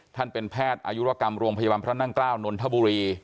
ท่านเป็นแพทย์อายุรกรรมโรงพยาบาลพระนั่งเกล้านนทบุรี